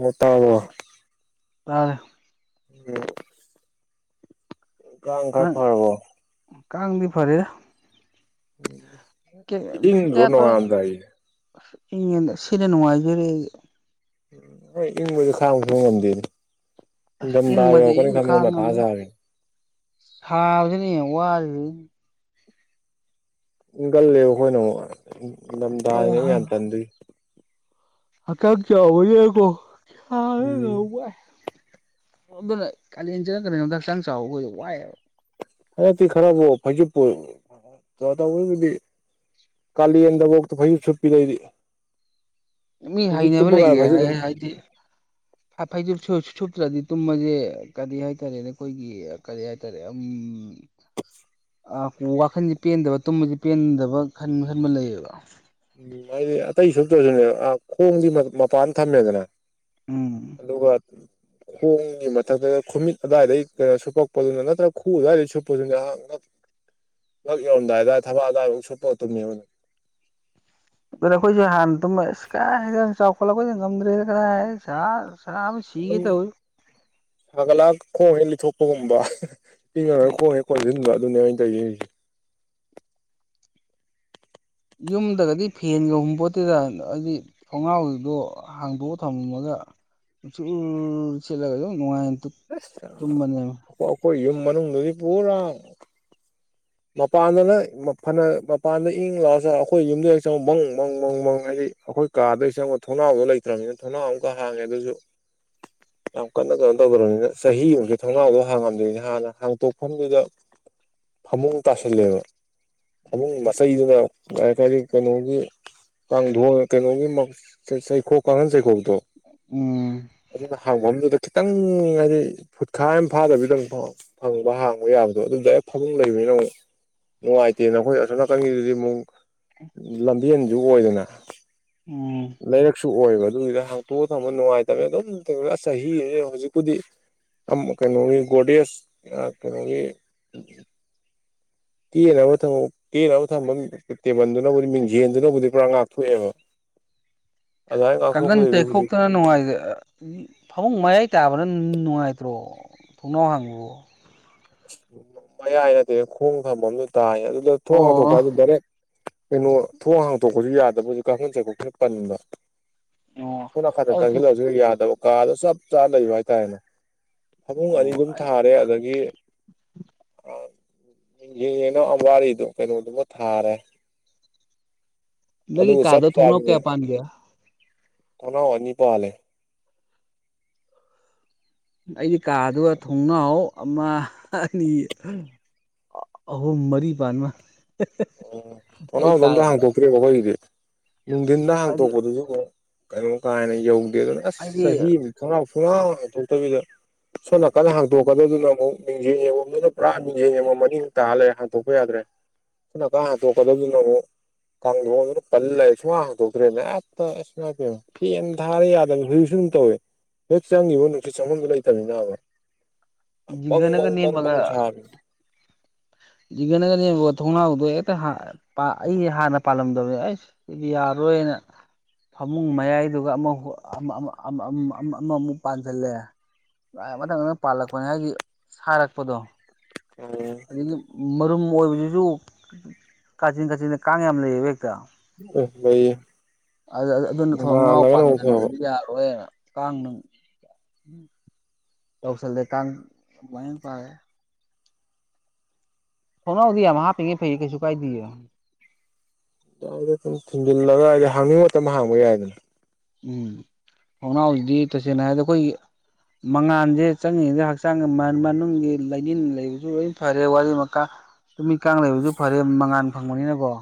ꯉꯇꯣ ꯇꯔ ꯎ ꯀ ꯈꯔ ꯅꯪ ꯐꯥꯔꯔꯕꯣ ꯀꯥꯡꯗꯤ ꯐꯔꯦ ꯏ ꯅ ꯑꯝꯗꯏ ꯁꯤꯗ ꯅꯨꯡꯉꯥꯏꯖꯔꯦ ꯍꯣꯏ ꯏꯪꯕꯁꯨ ꯈꯔ ꯑꯃ ꯈꯕ ꯑꯁ ꯉꯝꯗꯦꯅꯦ ꯗꯥ ꯏꯪꯕꯗꯤ ꯌꯥ ꯀꯅꯤ ꯊꯃꯤ ꯃ ꯊꯥꯖꯔ ꯁꯥꯕꯗꯤꯅꯦ ꯋꯥꯗꯤ ꯒꯜꯂꯦꯕ ꯑꯩꯈꯣꯏꯅ ꯅꯤꯡꯊꯗꯥꯅꯦ ꯌꯥꯝ ꯇꯟꯗꯣꯏꯏ ꯑ ꯀ ꯀ ꯑꯣꯏ ꯌꯥ ꯀꯣ ꯀ ꯎꯝ ꯑꯗꯨꯅ ꯀꯥꯂꯦꯟ ꯆꯅ ꯀꯗꯣꯝꯗ ꯍꯛꯆꯥꯡ ꯆꯥꯎꯕꯈ ꯋꯥꯏꯦꯕ ꯍ ꯈꯔ ꯐꯖꯤꯗꯤ ꯈꯂ ꯌꯦꯟꯗ ꯍꯇ ꯐꯩ ꯁꯄꯤꯗꯩꯗꯤ ꯃꯤ ꯍꯅꯕ ꯂꯩꯌꯦ ꯍꯥꯏꯗꯤꯗꯨ ꯁꯨꯞꯇ꯭ꯔꯗꯤ ꯇꯨꯝꯃꯁꯦ ꯀꯔꯤ ꯍꯥꯏꯇꯥꯔꯦ ꯅꯈꯣꯏꯒꯤ ꯀꯔꯤ ꯍꯥꯏꯇꯥꯔꯦ ꯎꯝ ꯑ ꯋꯥꯈꯟꯁꯦ ꯄꯦꯟꯗꯕ ꯇꯨꯝꯕꯁꯤꯦ ꯄꯦꯟꯗꯕ ꯈꯟ ꯈꯟꯕ ꯂꯩꯌꯦꯕ ꯎꯝ ꯍꯥꯏꯗꯤ ꯑꯇꯩ ꯁꯇꯧꯁꯨꯅꯦ ꯈꯣꯡꯗꯤ ꯃꯄꯥꯟ ꯊꯝꯃꯦꯗꯅ ꯎꯝ ꯑꯗꯨ ꯈꯣꯡꯒꯤ ꯃꯊꯛꯇ ꯈꯨꯃꯤꯠ ꯑꯗꯨꯋꯥꯏꯗꯩ ꯀꯩꯅꯣ ꯁꯨꯞꯄꯛꯄꯗꯨꯅ ꯅꯠꯇ꯭ꯔꯒ ꯈꯨ ꯑꯗꯨꯋꯥꯏꯗꯩ ꯁꯨꯞꯄꯗꯨꯅꯍ ꯂꯛ ꯌꯧꯝꯗꯥꯏꯗ ꯊꯕꯛ ꯑꯗꯨꯗꯥꯋꯥꯏ ꯑꯃꯨꯛ ꯁꯨꯞꯄꯣꯠꯇꯨꯝꯅꯦꯕꯅ ꯑꯗꯨ ꯑꯩꯈꯣꯏꯁꯨꯦ ꯍꯥꯟꯅ ꯇꯨꯝ ꯏꯁ ꯀꯥꯏ ꯍ ꯆꯥꯎꯈꯠꯂꯛꯄꯣꯏ ꯉꯝꯗ꯭ꯔꯦ ꯀꯗꯥ ꯁꯥ ꯁꯥꯕ ꯁꯤꯒꯦ ꯑꯗꯨꯝ ꯇꯧꯋꯤ ꯐꯒꯂꯥ ꯈꯣ ꯏ ꯂꯤ ꯊꯣꯛꯄꯒꯨꯝꯕ ꯏꯪꯉꯔꯒ ꯈꯣꯡꯉꯦ ꯈꯣꯟꯁꯤꯟꯕ ꯑꯗꯨꯅꯦ ꯑꯩꯅ ꯇꯧꯔꯤꯁꯦ ꯍꯖꯤꯛ ꯌꯨꯝꯗꯒꯗꯤ ꯐꯦꯟ ꯌꯧꯍꯨꯝ ꯄꯣꯠꯇꯦꯗ ꯍꯥꯏꯗꯤ ꯈꯣꯡꯒꯥꯎꯗꯣ ꯍꯥꯡꯗꯣꯛꯑ ꯊꯝꯃꯒ ꯆ ꯆꯠꯂꯒ ꯗꯨ ꯉꯥꯏ ꯑꯁꯣꯏ ꯌꯨꯨꯝ ꯃꯅꯨꯡ ꯗꯨꯒꯤ ꯄꯨꯔꯥ ꯃꯄꯥꯟꯗꯅ ꯐꯅ ꯃꯄꯥꯟꯗ ꯏꯪ ꯂꯥꯎꯑꯁꯨ ꯑꯩꯈꯣꯏ ꯌꯨꯝꯗ ꯍ ꯆꯪꯉ ꯃꯪ ꯃꯪ ꯃꯪ ꯃꯪ ꯍꯥꯏꯗꯤ ꯑꯈꯣꯏ ꯀꯥꯗꯩ ꯆꯪꯉꯕ ꯊꯣꯡꯅꯥꯎꯗꯣ ꯂꯩꯇ꯭ꯔꯕꯅꯤꯅ ꯊꯣꯡꯅꯥꯎ ꯑꯃꯨꯛꯀ ꯍꯥꯡꯉꯦ ꯑꯗꯨꯁꯨ ꯌꯥꯝ ꯀꯟꯅ ꯀꯩꯅꯣ ꯇꯧꯗ꯭ꯔꯕꯅꯤꯅ ꯆꯍꯤ ꯑꯃꯒꯤꯃꯨꯛꯀꯤ ꯊꯣꯡꯅꯥꯎꯗꯣ ꯍꯥꯡꯉꯝꯗꯣꯏꯅꯤ ꯍꯥꯟꯅ ꯍꯥꯡꯇꯣꯛꯐꯝꯗꯨꯗ ꯐꯃꯨꯡ ꯇꯁꯤꯜꯂꯦꯕ ꯐꯃꯨꯡ ꯃꯆꯩꯗꯨꯅ ꯂꯩ ꯀꯔꯤ ꯀꯩꯅꯣꯒꯤ ꯀꯥꯡꯊꯣ ꯀꯩꯅꯣꯒꯤ ꯆꯩꯈꯣꯛ ꯀꯥꯡꯈꯟ ꯆꯩꯈꯣꯛ ꯇꯣ ꯎꯝ ꯑꯗꯨꯅ ꯍꯥꯡꯐꯝꯗꯨꯗ ꯈꯤꯇꯪ ꯍꯥꯏꯗꯤ ꯐꯨꯠꯈꯥ ꯌꯥꯝ ꯐꯥꯗꯕꯤꯗꯪ ꯐꯪꯕ ꯍꯥꯡꯕ ꯌꯥꯕꯗꯣ ꯑꯗꯨꯗꯦꯛ ꯐꯪ ꯂꯩꯕꯅꯤꯅ ꯑꯃꯨꯛ ꯅꯨꯡꯉꯥꯏꯇꯦꯅ ꯑꯩꯈꯣꯏ ꯑꯁꯣꯝ ꯅꯥꯀꯟꯒꯤꯗꯨꯗꯤ ꯑꯃꯨꯛ ꯂꯝꯕꯦꯟꯁꯨ ꯑꯣꯏꯗꯅ ꯎꯝ ꯇꯨ ꯑꯣꯏꯑꯕ ꯑꯗꯨꯒꯤꯗ ꯍꯥꯡꯇꯣꯛꯑꯒ ꯊꯝꯕ ꯅꯨꯡꯉꯥꯏꯇꯕ ꯑꯗꯨꯝ ꯆꯍꯤ ꯍꯧꯖꯤꯛꯄꯨꯗꯤ ꯎꯝ ꯀꯩꯅꯣꯒꯤ ꯒꯣꯔꯗꯦꯖ ꯀꯩꯅꯣꯒꯤ ꯀꯦꯅꯕ ꯊꯝꯃ ꯀꯦꯅꯕ ꯊꯝꯐꯝ ꯇꯦꯕꯜꯗꯨꯅꯕꯨꯗꯤ ꯃꯤꯡꯖꯦꯟꯗꯨꯅꯕꯨꯗꯤ ꯄꯨꯔꯥ ꯉꯥꯛꯊꯣꯛꯑꯦꯕ [inaudible] ꯑꯗꯨꯃꯥꯏꯅ ꯀꯥꯡꯒꯟ ꯉꯥꯛꯊꯣꯛꯄꯗꯩꯗꯤ ꯍꯧꯖꯤꯛ ꯇꯦꯛꯊꯣꯛꯇꯨꯅ ꯅꯨꯡꯉꯥꯏꯖꯦ ꯐꯃꯨꯡ ꯃꯌꯥꯏ ꯇꯥꯕ ꯕꯔ꯭ ꯍꯣꯔꯦꯟ ꯅꯨꯡꯉꯥꯏꯇ꯭ꯔꯣ ꯊꯨꯡꯅꯥꯎ ꯍꯥꯡꯕꯕꯨ ꯃꯌꯥꯏ ꯅꯠꯇꯦ ꯈꯣꯡ ꯊꯐꯝꯁꯨ ꯇꯥꯏ ꯑꯗꯨꯗ ꯊꯣꯡ ꯑꯣ ꯍꯥꯊꯣꯛꯄ ꯍꯥꯏꯗ ꯗꯥꯏꯔꯦꯛ ꯀꯩꯅꯣ ꯊꯣꯡ ꯍꯥꯡꯇꯣꯛꯄꯁꯨ ꯌꯥꯗꯕ ꯍꯧꯖꯤꯛ ꯀꯥꯡꯈꯟ ꯆꯀꯣꯛꯈꯅ ꯄꯟꯕ ꯑꯣ ꯑꯩꯈꯣꯏꯅꯅꯥꯟꯗ ꯑꯩꯁꯨ ꯆꯪꯁꯤꯜꯂꯁꯨ ꯌꯥꯗꯕ ꯀꯥꯗ ꯆꯞ ꯆꯥꯅ ꯂꯩꯕ ꯍꯥꯏꯇꯥꯔꯦꯅꯦ ꯐꯃꯨꯡ ꯑꯅꯤ ꯑꯣ ꯑꯗꯨꯝ ꯑꯩ ꯊꯥꯔꯦ ꯑꯗꯒꯤ ꯌꯦꯅꯣ ꯑꯋꯥꯔ ꯏꯗꯨ ꯀꯩꯅꯗꯨꯕꯨ ꯊꯥꯔꯦ ꯅꯪꯒꯤ ꯑꯗꯨꯕꯨ ꯆꯞ ꯀꯥꯗ ꯊꯣꯡꯅꯥꯎ ꯆꯥꯃꯤ ꯀꯌꯥ ꯄꯥꯟꯒꯦ ꯀꯅꯥꯎ ꯑꯅꯤ ꯄꯥꯜꯂꯦ ꯑꯩꯗꯤ ꯀꯥꯗꯨ ꯊꯣꯡꯅꯥꯎ ꯑꯃ ꯑꯅꯤ ꯑꯍꯨꯝ ꯃꯔꯤ ꯄꯥꯟ ꯃꯥꯟ ꯑꯣ ꯊꯣꯅꯥꯎ ꯁꯨ ꯑꯝꯇ ꯍꯥꯡꯇꯣꯛ ꯇꯔꯦꯕ ꯑꯒꯣꯏꯒꯤꯗꯤ ꯅꯨꯡꯗꯤꯟꯗ ꯍꯥꯏꯗꯤ ꯍꯥꯡꯇꯣꯛꯄꯗꯨꯁꯨ ꯑꯃꯨꯛ ꯀꯩꯅꯣ ꯀꯥꯏ ꯍꯦꯅ ꯌꯧ ꯁꯦ ꯑꯁ ꯍꯥꯏꯗꯤ ꯆꯍꯤ ꯑꯃꯗ ꯈꯣꯡꯉꯥꯎ ꯁꯨꯡꯍꯥꯡ ꯍꯥꯡꯗꯣꯛꯇꯕꯤꯗ ꯁꯣꯝ ꯅꯥꯀꯟꯅ ꯍꯥꯡꯇꯣꯛꯀꯗꯧꯗꯨꯅ ꯑꯃꯨꯛ ꯃꯤꯖꯦꯜ ꯌꯦꯡꯉꯝꯕꯅ ꯄꯨꯔꯥ ꯃꯤ ꯅꯤꯡꯖꯦꯜ ꯌꯦꯡꯉꯣꯝ ꯑꯅꯤꯨ ꯇꯥꯍꯜꯂꯦ ꯍꯟꯗꯣꯛꯄ ꯌꯥꯗ꯭ꯔꯦ ꯅ ꯀꯥꯏ ꯇ ꯀꯗꯕꯨ ꯃꯨꯛ ꯀꯥꯡ ꯗꯣꯟ ꯗꯨꯅ ꯄꯜꯂꯩ ꯁꯨꯍꯥꯡ ꯍꯥꯡꯗꯣꯛꯇ꯭ꯔꯦꯅꯦ ꯍꯦꯇ ꯏꯁ ꯏꯃꯥꯏꯄꯦꯝ ꯐꯦꯟ ꯊꯥꯔꯦ ꯌꯥꯗꯕ ꯍꯨꯏ ꯁꯨ ꯨꯗꯨꯝ ꯇꯧꯋꯦ ꯍꯦꯛ ꯆꯪꯉꯤꯕ ꯅꯨꯡꯁꯤꯠ ꯆꯪꯕꯝꯗꯨ ꯂꯩꯇꯕꯅꯤꯅꯕ ꯕꯪ ꯖꯤꯒꯅꯒ ꯕꯪ ꯕꯪ ꯅꯦꯝꯃꯒ ꯕꯪ ꯁꯥꯕꯤꯅꯤ ꯖꯤꯒꯅꯒ ꯅꯦꯝꯃꯒ ꯊꯣꯅꯥꯎ ꯑꯩ ꯍꯥꯟꯅ ꯄꯥꯜꯂꯝꯗꯕꯅꯦ ꯑꯩ ꯁꯤꯗꯤ ꯌꯥꯔꯔꯣꯏꯅ ꯐꯃꯨꯡ ꯃꯌꯥꯏꯗꯨꯒ ꯑꯃ ꯑꯃꯃꯨꯛ ꯄꯥꯟꯁꯤꯜꯂꯦ ꯀꯥꯏ ꯃꯊꯡ ꯃꯊ ꯄꯂꯛ ꯞꯅꯦ ꯍꯥꯏꯒꯤ ꯁꯥꯔꯛꯄꯗꯣ ꯑꯦ ꯑꯗꯒꯤ ꯃꯔꯨꯝ ꯀꯣꯏꯕꯗꯨꯁꯨ ꯀꯥꯆꯤꯟ ꯀꯥꯆꯤꯟꯗ ꯀꯥꯡ ꯌꯥꯝ ꯂꯩꯌꯦꯕ ꯍꯦꯛꯇ ꯎ ꯂꯩꯌꯦ ꯑ ꯑꯗꯨ ꯑꯗꯨꯅ ꯊꯣꯡ ꯉꯥꯎ ꯉꯥꯜꯂꯒꯅ ꯑꯃꯨꯛ ꯄꯥꯟꯁꯤꯟꯗ ꯐꯕ ꯌꯥꯔꯣꯏꯅ ꯀꯥꯡ ꯅꯨꯡ ꯇꯧꯁꯜꯂꯦ ꯇꯥꯡ ꯃꯥꯏ ꯄꯥꯔꯦ ꯊꯣꯡꯅꯥꯎꯗꯤ ꯌꯥꯝꯃ ꯍꯥꯞꯄꯤꯉꯩ ꯐꯩ ꯀꯩꯁꯨ ꯀꯥꯏꯗꯦ ꯁꯨꯝ ꯊꯤꯟꯖꯤꯜꯂꯒꯏꯗꯤ ꯍꯥꯡꯅꯤꯡꯕ ꯃꯇꯝ ꯍꯥꯡꯕ ꯌꯥꯏꯗꯅ ꯎꯝ ꯊꯣꯡꯅꯥꯎ ꯖꯤꯗꯤ ꯇꯁꯦꯡꯅ ꯍꯥꯏꯗꯤ ꯑꯩꯈꯣꯏꯒꯤ ꯃꯉꯥꯟꯁꯦ ꯆꯪꯉꯤꯉꯗ ꯍꯛꯆꯥꯡꯒꯤ ꯃꯅꯨꯡꯒꯤ ꯂꯥꯏꯅꯤꯡ ꯂꯩꯕꯁꯨ ꯂꯣꯏ ꯐꯔꯦ ꯋꯥꯔꯤ ꯃꯥ ꯅꯨꯃꯤꯠ ꯀꯥꯡ ꯂꯩꯕꯁꯨ ꯐꯔꯦ ꯃꯉꯥꯟ ꯐꯪꯕꯅꯤꯅꯀꯣ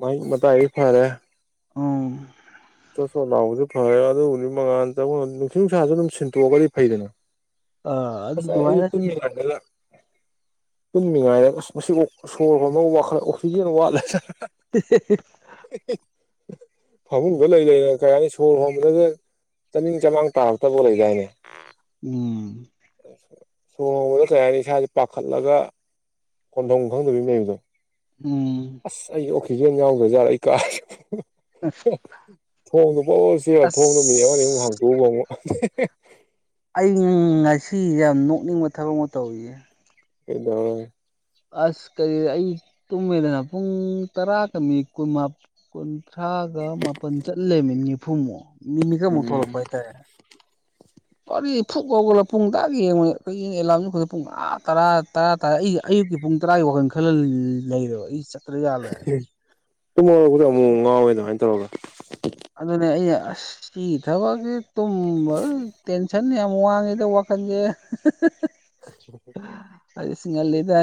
ꯋꯥ ꯃ ꯇꯏ ꯐꯔꯦ ꯎ ꯂꯥꯎꯁꯨ ꯐꯔꯦ ꯑꯗꯨ ꯅꯨꯃꯤꯠ ꯃꯉꯥꯅꯤ ꯆ ꯅꯨꯡꯁꯤ ꯅꯨꯡꯁꯥꯁꯨ ꯑꯗꯨꯝ ꯁꯤꯟꯇꯣꯛꯑꯒꯗꯤ ꯐꯩꯗꯅ ꯑ ꯑꯁ ꯏꯗꯤ ꯑꯗꯨꯃꯥꯏꯅ ꯇꯨꯝꯃꯤ ꯂꯗꯂ ꯄꯨꯟꯃꯤꯉꯥꯏꯔ ꯃꯁꯤ ꯁꯣꯔ ꯍꯨꯝ ꯋꯥꯈꯠꯂ ꯑꯣꯛꯁꯤꯖꯦꯟ ꯋꯥꯠꯂꯦ [unintelligible] ꯐꯥꯃꯨꯡꯒ ꯂꯩ ꯂꯩꯔ ꯀꯩ ꯍꯥꯏꯅꯤ ꯁꯣꯔ ꯍꯣꯟꯕꯗꯒ ꯆꯃꯤꯡ ꯆꯃꯥꯡ ꯇꯥ ꯍꯞꯇꯕꯨ ꯂꯩꯗꯥꯏꯅꯦ ꯎꯝ ꯁꯨꯍꯣꯡꯕꯗ ꯀꯩ ꯍꯥꯏꯅꯤ ꯏꯁꯥꯥꯁꯦ ꯄꯥꯈꯠꯂꯒ ꯀꯣꯟꯊꯣꯡ ꯈꯪꯗꯕꯤ ꯃꯕꯗꯣ ꯎꯝ ꯐꯤꯖꯦꯟ ꯌꯥꯎꯗ꯭ꯔꯖꯥꯔꯛ ꯑꯩ ꯀꯥꯦ ꯑ ꯊꯣꯡꯗꯨꯣ ꯄꯥꯎ ꯆꯦꯕ ꯊꯣꯡꯗꯣ ꯃꯤ ꯑꯃꯅꯤ ꯑꯃꯨꯛ ꯍꯥꯡꯇꯣꯛꯎ ꯉ ꯑꯃꯛ ꯑ ꯉꯁꯤ ꯌꯥꯝ ꯅꯣꯛꯅꯤꯡꯕ ꯊꯕꯛ ꯑꯃ ꯇꯧꯋꯌꯦ ꯑꯦꯗꯝꯃ ꯑꯁ ꯀꯔꯤ ꯑꯩ ꯇꯨꯝꯃꯤꯗꯅ ꯄꯨꯡ ꯇꯔꯥꯒ ꯃꯤ ꯀꯨꯟ ꯀꯨꯟ ꯊ꯭ꯔꯥꯒ ꯃꯥꯄꯟ ꯆꯠꯂꯦ ꯃꯤꯠ ꯅꯤꯐꯨꯃꯨꯛ ꯃꯤ ꯃꯤꯈꯃꯨꯛ ꯎꯝ ꯊꯣꯛꯂꯛꯄ ꯍꯥꯏꯇꯥꯔꯦ ꯋꯥꯔꯤ ꯐꯨꯛ ꯀꯧꯒꯂ ꯄꯨꯡ ꯇꯔꯥ ꯌꯦꯡꯉꯅꯦ ꯑꯦꯂꯥ ꯄꯨꯡ ꯇ ꯑꯌꯨꯛꯀꯤ ꯄꯨꯡ ꯇꯔꯥꯒꯤ ꯋꯥꯈꯜ ꯈꯜꯂ ꯂꯩꯔꯦꯕ ꯑꯩ ꯆꯠꯇ꯭ꯔꯥ ꯌꯥꯜꯂꯦ ꯍꯥꯏꯅ ꯇꯨꯝꯃꯛꯄꯗꯤ ꯑꯃꯨꯛ ꯉꯥꯎꯋꯦ ꯑꯗꯨꯃꯥꯏꯅ ꯇꯧꯔꯒ ꯑꯗꯨꯅꯦ ꯑꯩ ꯁꯤ ꯊꯕꯛꯀꯤ ꯇꯨꯝ ꯁꯟ ꯌꯥꯝ ꯋꯥꯡꯉꯦꯗ ꯋꯥꯈꯟꯁꯦ ꯑꯔꯤ ꯁꯤ ꯂꯩꯇ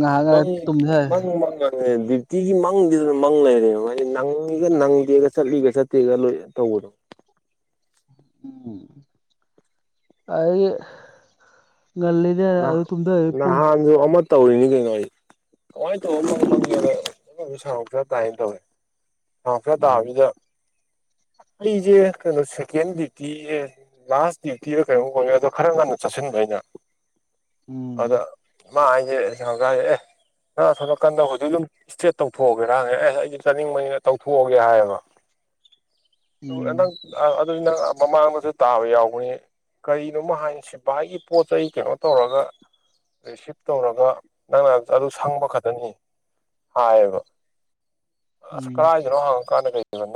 ꯉꯍꯒ ꯃꯪ ꯇꯨꯁ ꯃꯪ ꯃꯪꯉꯅꯦ ꯗ꯭ꯌꯨꯇꯤꯒꯤ ꯃꯪꯗꯤꯗꯅ ꯃꯪ ꯂꯩꯔꯦꯕꯗꯤ ꯅꯪꯉꯒ ꯅꯪꯗꯦꯒ ꯆꯠꯂꯤꯒ ꯆꯠꯇꯦꯒ ꯂꯣꯏ ꯇꯧꯕꯗꯣ ꯎꯝ ꯑꯗꯤ ꯉꯜꯂꯤꯗ ꯑꯗꯨ ꯅꯍꯥꯟ ꯇꯗ ꯅꯍꯥꯟꯁꯨ ꯑꯃ ꯇꯧꯔꯤꯅꯤ ꯀꯩꯣ ꯋꯥꯔꯤꯦ ꯍꯣ ꯁ ꯇꯥꯏ ꯇꯃꯦ ꯍ ꯐꯦ ꯎꯝ ꯇꯥꯗ ꯑꯩꯁꯦ ꯀꯩꯅꯣ ꯁꯦꯀꯦꯟ ꯗ꯭ꯌꯨꯇꯤ ꯂꯥꯁ ꯗ꯭ꯌꯨꯇꯤꯗ ꯀꯩꯅꯣ ꯀꯧꯉꯦ ꯑꯗꯣ ꯈꯔ ꯉꯟꯅ ꯆꯠꯁꯤꯟꯕꯩꯩꯅ ꯎꯝ ꯑꯗ ꯃꯥ ꯀꯔꯦ ꯑ ꯁꯣꯂꯛꯀꯥꯟꯗ ꯍꯧꯖꯤꯛ ꯑꯗꯨꯝ ꯏꯁꯇ꯭ꯔꯦꯠ ꯇꯧꯊꯣꯛꯑꯒꯦꯔ ꯑꯦꯁ ꯑꯩꯗꯤ ꯆꯠꯅꯤꯡꯕꯅꯤꯅ ꯇꯧꯊꯣꯛꯑꯒꯦ ꯍꯥꯏꯌꯦꯕ ꯎꯝ ꯑꯦꯅ ꯑꯗꯨ ꯅꯪ ꯃꯃꯥꯡꯗꯁꯨ ꯇꯥꯕ ꯌꯥꯎꯕꯅꯤ ꯀꯔꯤꯅꯣꯃ ꯍꯥꯏ ꯁꯤ ꯚꯥꯏꯒꯤ ꯄꯣꯠ ꯆꯩꯩ ꯀꯩꯅꯣ ꯇꯧꯔꯒ ꯔꯤꯁꯤꯞ ꯇꯧꯔꯒ ꯅꯪꯅ ꯑꯗꯨ ꯁꯪꯕ ꯈꯛꯇꯅꯤ ꯍꯥꯏꯕ ꯑꯁ ꯎꯝ ꯀꯗꯥꯥꯏꯗꯅꯣ ꯍꯪꯉꯀꯥꯟꯗ ꯀꯩꯅꯣ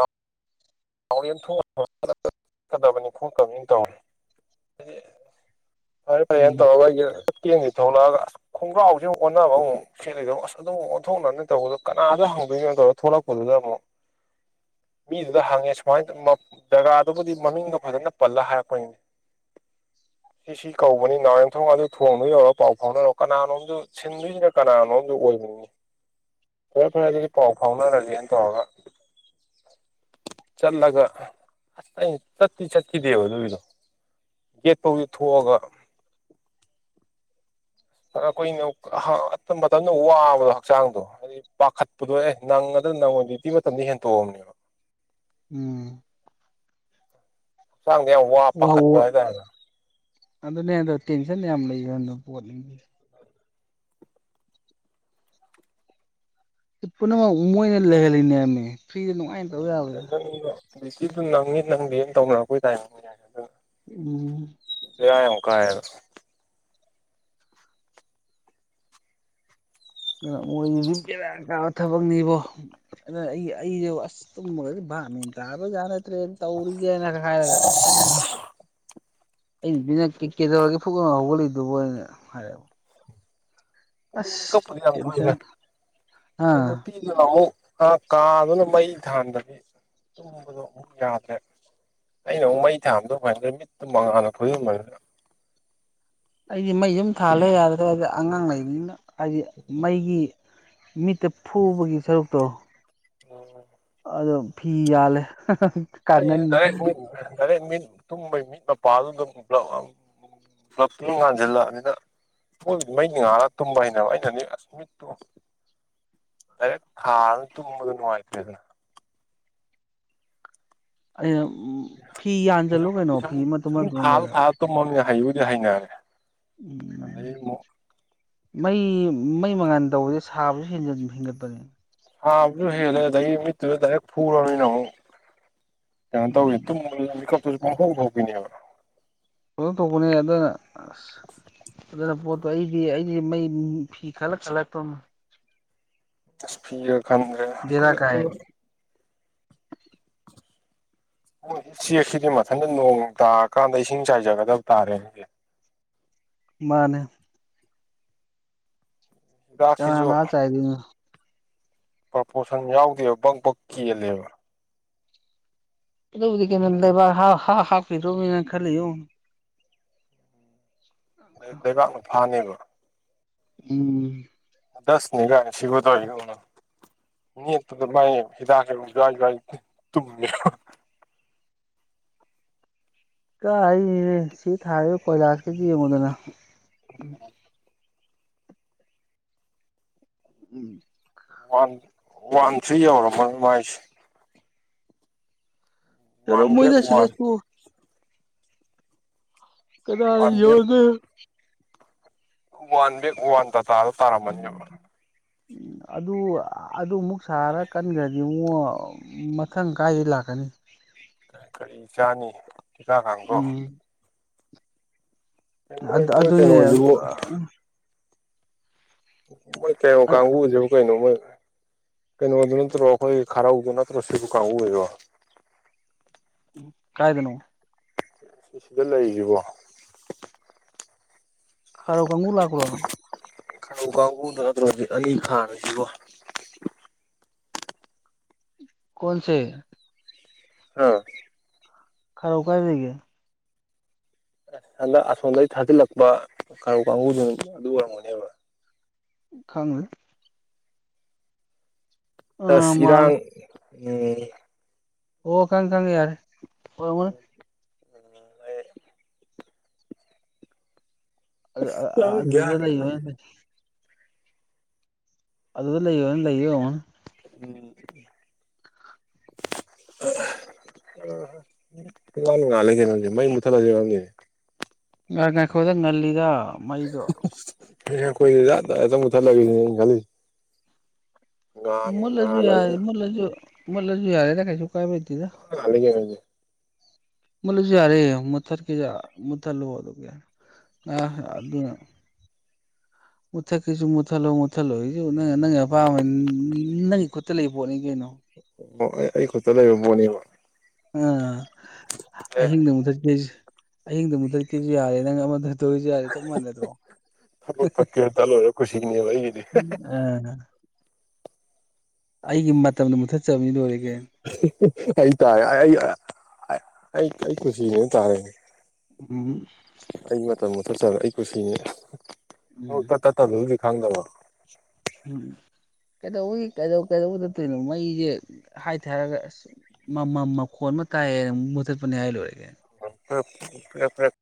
ꯆꯠꯀꯗꯕꯅꯤ ꯈꯣꯟ ꯀꯅ ꯇꯧꯔꯤ ꯐꯔ ꯐ ꯑꯦ ꯎꯝ ꯇ ꯍꯦ ꯀꯦꯡꯁꯤ ꯊꯣꯛꯂꯛꯑꯒ ꯑꯁ ꯈꯣꯡꯒ꯭ꯔꯥꯎꯁꯦ ꯑꯣꯟꯅꯅꯕ ꯑꯃꯨꯛ ꯁꯦꯠꯂꯤꯗꯣ ꯑꯁ ꯑꯗꯨꯝ ꯑꯣꯟꯊꯣꯛꯅꯅꯤ ꯇꯧꯕꯗꯣ ꯀꯅꯥꯗ ꯊꯣꯛꯂꯛꯄꯗꯨꯗ ꯑꯃꯨꯛ ꯃꯤꯗꯨꯗ ꯍꯪꯉꯦ ꯁꯨꯃꯥꯏꯅ ꯖꯒꯥꯗꯨꯕꯨꯗꯤ ꯃꯃꯤꯡꯗꯣ ꯐꯖꯅ ꯄꯜꯂ ꯍꯥꯏꯔꯛꯄꯅꯦ ꯁꯤ ꯁꯤ ꯀꯧꯕꯅꯤ ꯅꯥꯎꯔꯦꯝꯊꯣꯡ ꯑꯗꯨ ꯊꯣꯡꯗꯨ ꯌꯧꯔꯒ ꯄꯥꯎ ꯐꯥꯎꯅꯔꯣ ꯀꯅꯥꯅꯣꯝꯗ ꯁꯤꯟꯗꯣꯏꯁꯤꯅ ꯀꯅꯥꯅꯣꯝ ꯑꯣꯏ ꯐꯔꯦ ꯐꯔꯦ ꯑꯗꯨꯗꯤ ꯄꯥꯎ ꯐꯥꯎꯅꯔꯒꯦꯅ ꯇꯧꯔꯒ ꯆꯠꯂꯒ ꯑꯁ ꯆꯠꯇꯤ ꯆꯠꯈꯤꯗꯦꯕ ꯑꯗꯨꯒꯤꯗꯣ ꯌꯦꯄ ꯊꯣꯛꯑꯒ ꯀꯈꯨꯏꯅ ꯃꯇꯝꯗ ꯋꯥꯕꯗꯣ ꯍꯛꯆꯥꯡꯗꯣ ꯍꯥꯏꯗꯤ ꯄꯥꯈꯠꯄꯗꯣ ꯑꯦ ꯅꯪ ꯅꯪꯉꯣꯟꯗꯤꯇꯤ ꯃꯇꯝꯗ ꯍꯦꯟꯇꯣꯛꯑꯕꯅꯦꯕ ꯎꯝ ꯍꯛꯆꯥꯡꯁꯦ ꯌꯥꯝ ꯋꯥ ꯄꯥꯈꯠꯄ ꯍꯥꯢ ꯇꯥꯔꯦ ꯑꯗꯨꯅꯦ ꯍꯥꯢꯗꯣ ꯇꯦꯟꯁꯟ ꯌꯥꯝ ꯂꯩꯒꯟꯕ ꯄꯣꯠꯅꯤ ꯁꯤ ꯄꯨꯝꯅꯃꯛ ꯃꯣꯏꯅ ꯂꯩꯍꯜꯂꯤꯅꯦꯃꯤ ꯐ꯭ꯔꯤꯗ ꯅꯨꯡꯉꯥꯏꯅ ꯇꯧ ꯌꯥꯕꯗ [unintelligible] [unintelligible] ꯅꯪꯗꯦ ꯇꯧꯅꯔꯛꯄꯩ ꯇꯥꯢꯃꯤꯡꯅꯤꯅꯦ ꯑꯗꯨꯅ ꯎꯝ ꯕꯦꯔꯥ ꯌꯥꯝ ꯀꯥꯢꯌꯦꯕ ꯃꯣꯏꯁꯤꯗꯤ ꯕꯦꯔꯥ ꯀꯥꯕ ꯊꯕꯛꯅꯤꯕꯣ ꯑꯩꯅ ꯑꯩꯁꯦ ꯇꯨꯝꯕꯒꯥꯁꯦ ꯕꯥꯞ ꯃꯦꯟ ꯇꯥꯕ ꯖꯥꯠ ꯅꯠꯇ꯭ꯔꯦ ꯇꯧꯔꯤꯁꯦꯅ ꯍꯥꯏꯔꯒ ꯑꯩ ꯅꯨꯄꯤꯅ ꯀꯩꯗꯧꯔꯒꯦ ꯐꯨꯛ ꯍꯧꯒꯠꯂꯤꯗꯨꯕꯣꯅ ꯍꯥꯏꯔꯦꯕ ꯃꯤꯀꯞꯄꯨꯗꯤ ꯌꯥꯝ ꯊꯣꯛꯢꯗ ꯇꯦꯟꯁꯟ ꯑꯗꯩ ꯑꯥ ꯅꯨꯄꯤꯅ ꯑꯃꯣꯛ ꯀꯥꯗꯨꯅ ꯃꯩ ꯊꯥꯟꯗꯕꯤ ꯇꯨꯝꯕꯗꯣ ꯑꯃꯨꯛ ꯌꯥꯗ꯭ꯔꯦ ꯑꯩꯅ ꯑꯃꯨꯛ ꯃꯩ ꯊꯥꯟꯕꯗꯨ [unintelligible] ꯃꯤꯠꯇꯨ ꯃꯉꯥꯜꯅ ꯐꯨꯖꯤꯟꯕꯅꯤꯅ ꯑꯩꯗꯤ ꯃꯩ ꯁꯨꯝ ꯊꯥꯜꯂꯦ ꯌꯥꯗ꯭ꯔꯦ ꯍꯥꯏꯗꯤ ꯑꯉꯥꯡ ꯂꯩꯕꯅꯤꯅ ꯍꯥꯏꯗꯤ ꯃꯩꯒꯤ ꯃꯤꯠꯇ ꯐꯨꯕꯒꯤ ꯁꯔꯨꯛꯇꯣ ꯑꯣ ꯑꯗꯣ ꯐꯤ ꯌꯥꯜꯂꯦ ꯀꯥꯡꯒꯟ ꯗꯥꯢꯔꯦꯛ ꯃꯤꯠ ꯇꯨꯝꯕꯩ ꯃꯤꯠ ꯃꯄꯥꯜꯗꯨ ꯑꯗꯨꯝ ꯕ꯭ꯂꯥꯞꯇꯨꯅ ꯉꯥꯟꯁꯤꯜꯂꯛꯑꯅꯤꯅ ꯃꯣꯢꯕꯨꯗꯤ ꯃꯩ ꯉꯥꯜꯂꯒ ꯇꯨꯝꯕ ꯍꯩꯅꯕ ꯑꯩꯅ ꯃꯤꯠꯇꯨ ꯗꯥꯢꯔꯦꯛ ꯊꯥꯜꯂ ꯇꯨꯝꯕꯗꯨ ꯅꯨꯡꯉꯥꯏꯇꯦꯗꯅ ꯑꯩꯅ ꯐꯤ ꯌꯥꯟꯖꯜꯂꯨ ꯍꯧꯖꯤꯛꯄꯨꯗꯤ ꯀꯩꯅꯣ ꯁꯨꯝ ꯐꯤ ꯃꯇꯨꯝ ꯁꯨꯝꯊꯥꯜꯂ ꯃꯇꯨꯝꯗꯨꯗ ꯊꯥꯜꯂ ꯇꯨꯝꯃꯝꯅꯤꯅ ꯍꯩꯕꯨꯗꯤ ꯍꯩꯅꯔꯦ ꯎꯝ ꯑꯗꯩ ꯑꯃꯨꯛ ꯃꯩ ꯃꯩ ꯃꯉꯥꯜ ꯇꯧꯕꯗꯁꯦ ꯁꯥꯕꯁꯨ ꯍꯦꯟꯒꯠꯄꯅꯦ ꯁꯥꯕꯁꯨ ꯍꯦꯜꯂꯦ ꯑꯗꯩ ꯃꯤꯠꯇꯨꯗ ꯗꯥꯢꯔꯦꯛ ꯐꯨꯔꯝꯅꯤꯅ ꯑꯃꯣꯛ ꯀꯩꯅꯣ ꯇꯧꯋꯦ ꯇꯨꯝꯕꯗꯨꯁꯨ ꯃꯤꯠꯀꯞꯇꯨꯁꯨ ꯄꯨꯡꯊꯣꯛ ꯊꯣꯛꯄꯤꯅꯦꯕ ꯑꯗꯨ ꯇꯧꯕꯅꯦ ꯑꯗꯨꯅ ꯑꯁ ꯑꯗꯨꯅ ꯄꯣꯠꯇꯣ ꯑꯩꯗꯤ ꯑꯩꯗꯤ ꯃꯩ ꯐꯤ ꯈꯜꯂ ꯈꯜꯂ ꯇꯨꯝꯃꯤ ꯑꯁ ꯐꯤꯒꯥꯡ ꯈꯟꯗ꯭ꯔꯦꯗ ꯕꯦꯔꯥ ꯀꯥꯏ [unintelligible] [unintelligible] ꯎꯆꯦꯛꯁꯤꯗꯤ ꯃꯊꯟꯇ ꯅꯣꯡ ꯇꯥꯔꯀꯥꯟꯗ ꯏꯁꯤꯡ ꯆꯥꯏꯖꯒꯗꯕ ꯇꯥꯔꯦꯟ ꯁꯤꯗꯤ [inaudible] ꯃꯥꯅꯦ ꯀꯥꯅ ꯍꯤꯗꯥꯛꯁꯤꯁꯨ ꯂꯥꯛꯑ ꯆꯥꯢꯗꯣꯢꯅꯣ ꯄ꯭ꯔꯄꯣꯔꯁꯟ ꯌꯥꯎꯗꯦꯕ ꯕꯛ ꯕꯛ ꯀꯦꯜꯂꯦꯕ ꯑꯗꯨꯕꯨꯗꯤ ꯀꯩꯝ ꯈꯟꯅꯨ ꯂꯩꯕꯥꯛ ꯍꯥꯞ ꯍꯥꯞ ꯍꯥꯞꯈꯔꯗꯣꯅꯤꯅ [unintelligible] ꯑ ꯂꯩꯕꯥꯛꯅ ꯐꯥꯅꯦꯕ ꯎꯝ ꯗꯁꯅꯤꯒꯥꯏꯅ ꯁꯤꯕꯨ [unintelligible] [unintelligible] ꯅꯦꯠꯄꯗ ꯃꯥꯏ ꯍꯤꯗꯥꯛ ꯖ꯭ꯋꯥꯢ ꯖ꯭ꯋꯥꯢ ꯇꯨꯝꯃꯤꯕ ꯀꯥꯏꯁꯤꯅꯦ ꯁꯤ ꯊꯥꯔꯤꯕ ꯀꯣꯏꯂꯥꯁ ꯀꯥꯡꯁꯤ ꯌꯦꯡꯉꯨꯗꯅ ꯎꯝ ꯋꯥꯟ ꯋꯥꯟ ꯊ꯭ꯔꯤ ꯌꯧꯔꯝꯃꯅꯤ ꯃꯥꯏꯁꯦ ꯋꯥꯟ ꯕꯦꯛ ꯌꯧꯔꯝꯃꯣꯢꯗ ꯁꯤꯗ ꯋꯥꯟ ꯇꯣꯛ ꯀꯗꯥꯢ ꯋꯥꯟ ꯕꯦꯛ ꯌꯧꯗꯣꯢꯅꯣ ꯋꯥꯟ ꯕꯦꯛ ꯋꯥꯟ ꯇꯥꯇꯗꯨ ꯇꯥꯔꯝꯃꯅꯦꯕ ꯎꯝ ꯑꯗꯨ ꯑꯗꯨ ꯑꯃꯨꯛ ꯁꯥꯔ ꯀꯟꯒ꯭ꯔꯗꯤ ꯑꯃꯨꯛ ꯃꯊꯪ ꯀꯥꯏꯗꯒꯤ ꯂꯥꯛꯀꯅꯤ ꯀꯔꯤ ꯆꯥꯅꯤ ꯊꯤꯀ ꯀꯥꯡꯕꯨ ꯎꯝ [unintelligible] ꯑꯗꯨ ꯃꯣꯢ ꯑꯗꯨꯅꯦ ꯀꯩꯅꯣꯁꯤꯕꯨ ꯃꯣꯏ ꯀꯩꯔꯥꯎ ꯀꯥꯡꯕꯨꯁꯤꯕꯨ ꯀꯩꯅꯣ ꯃꯣꯢ ꯀꯩꯅꯣꯗꯨ ꯅꯠꯇ꯭ꯔꯣ ꯑꯩꯈꯣꯏ ꯈꯔꯥꯎꯗꯣ ꯅꯠꯇ꯭ꯔꯣ ꯁꯤꯕꯨ ꯀꯥꯡꯕꯨ ꯁꯤꯕꯣ [unintelligible] ꯀꯥꯏꯗꯅꯣ ꯁꯤ ꯁꯤꯗ ꯂꯩꯁꯤꯕꯣ ꯈꯥꯔꯧ ꯀꯪꯕꯨ ꯂꯥꯛꯄꯔꯣ ꯈꯥꯔꯧ ꯀꯥꯡꯕꯨꯗꯨ ꯅꯠꯇꯔꯣ ꯑꯂꯤ ꯈꯥꯟꯁꯤꯀꯣ ꯀꯣꯟꯁꯦ ꯍꯥ ꯈꯥꯔꯧ ꯀꯥꯏ ꯂꯩꯒꯦ ꯑꯁ ꯍꯟꯗꯛ ꯑꯁꯣꯝꯗꯒꯤ ꯊꯥꯖꯤꯜꯂꯛꯄ ꯈꯥ ꯇꯧ ꯀꯥꯡꯕꯨꯁꯤꯡꯗꯣ ꯑꯗꯨ ꯑꯣꯏꯔꯝꯒꯅꯤꯕ ꯈꯉꯨ ꯑꯥ ꯑꯁ ꯃꯥꯜꯂꯦ ꯏꯔꯥꯡ ꯎꯝ ꯑꯣ ꯀꯪ ꯀꯪꯉꯦ꯫ꯌꯥꯔꯦ ꯎ ꯑꯗꯨ ꯑꯗꯨꯗ ꯒ꯭ꯌꯥꯟ ꯂꯩꯕꯥ ꯇꯥꯗꯦ ꯑꯗꯨꯗ ꯂꯩꯌꯣꯅꯦ ꯂꯩꯔꯤ ꯑꯣꯏꯔꯝꯅꯤ꯫ ꯎꯝ ꯄꯨꯛꯉꯜ ꯉꯜꯂꯦ ꯀꯩꯅꯣ ꯍꯧꯖꯤꯛ ꯃꯩ ꯃꯨꯠꯊꯠꯂꯥꯁꯤꯔꯥ ꯈꯪꯗꯦ ꯉ ꯉꯥꯏꯈꯣꯗ ꯉꯜꯂꯤꯗ ꯃꯩꯗꯣ ꯏꯨꯊꯠꯂꯒꯅꯦ ꯈꯜꯂꯤꯁꯦ ꯉꯥꯟꯒ ꯃꯨꯂꯖꯨ ꯌꯥꯏ ꯉꯥꯜꯂꯕꯅꯤꯅ ꯃꯂꯖꯨ ꯃꯂꯖꯨ ꯌꯥꯔꯦꯗ ꯀꯩꯁꯨ ꯀꯥꯏꯕ ꯂꯩꯇꯦꯗ ꯄꯨꯛꯉꯜ ꯉꯜꯂꯦ ꯀꯩꯅꯣ ꯍꯧꯖꯤꯛ ꯃꯨꯠꯂꯥꯁꯨ ꯌꯥꯔꯦ ꯃꯨꯊꯠ ꯀꯦꯁꯨ ꯃꯨꯊꯠꯂꯣ ꯑꯗꯨꯝ ꯌꯥꯔꯦ ꯑ ꯑꯗꯨꯅꯥ ꯃꯨꯠꯊꯠꯀꯦꯁꯨ ꯃꯨꯠꯊꯠꯂꯣ ꯃꯨꯠꯊꯠꯂꯣꯁꯨ ꯅꯪ ꯅꯪꯒꯤ ꯑꯄꯥꯝꯕ ꯅꯪꯒꯤ ꯈꯨꯠꯇ ꯂꯩꯕ ꯄꯣꯠꯅꯤ ꯀꯩꯅꯣ ꯑꯩ ꯈꯨꯠꯇ ꯂꯩꯕ ꯄꯣꯠꯅꯦꯕ ꯑꯥ ꯑꯦ ꯑꯍꯤꯡꯗ ꯃꯨꯊꯠꯀꯦ ꯑꯍꯤꯡꯗ ꯃꯨꯊꯠꯀꯦꯁꯨ ꯌꯥꯔꯦ ꯅꯪ ꯑꯃꯗ ꯇꯧꯖꯤ ꯌꯥꯔꯦ ꯆꯞ ꯃꯥꯥꯟꯅꯥꯗꯔꯣ ꯍ ꯐꯛ ꯇꯜꯣ ꯑꯣꯏꯋ ꯈꯨꯁꯤꯒꯤꯅꯦꯕ ꯑꯩꯒꯤꯗꯤ ꯑꯥ ꯑꯩꯒꯤ ꯃꯇꯝꯗꯣ ꯃꯨꯊꯠ ꯆꯕꯤ ꯂꯣꯏꯔꯦ꯫ ꯀꯩꯅꯣ ꯑꯩ ꯇꯥꯔꯦ ꯑꯩ ꯀꯁꯤꯅꯦꯅ ꯇꯥꯔꯦ ꯎꯝ ꯆꯠꯆꯔ ꯑꯩ ꯀꯨꯁꯤꯅꯤ ꯎꯝ ꯇꯠ ꯇꯠꯇꯕꯗꯨꯗꯤ ꯈꯪꯗꯕ ꯎꯝ [unintelligible] ꯀꯩꯗꯧꯕ ꯀꯩꯗꯧ ꯀꯩꯗꯧꯕꯗꯠꯇꯣꯏꯅꯣ ꯃꯩꯁꯦ ꯍꯥꯏꯊꯦ ꯍꯥꯏꯔꯒ ꯑꯁ ꯃꯃꯝ ꯃꯈꯣꯟ ꯀꯥꯏ ꯃꯨꯊꯥꯠ ꯄꯅꯦ ꯍꯥꯏꯂꯣꯏꯔꯦ꯫ ꯀꯔꯤꯅꯣ ꯑ